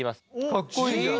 かっこいいじゃん。